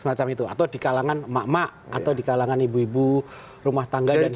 semacam itu atau di kalangan emak emak atau di kalangan ibu ibu rumah tangga dan sebagainya